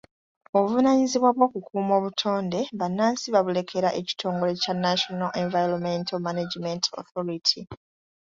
Obuvunaanyizibwa bw'okukuuma obutonde bannansi babulekera ekitongole kya National Environmental Management Authority.